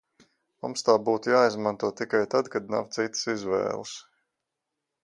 Mums tā būtu jāizmanto tikai tad, kad nav citas izvēles.